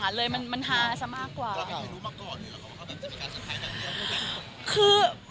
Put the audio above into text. งั้นเลยมันมันทาซะมากกว่าเราไม่เคยรู้มากก่อนเลยหรือเปล่า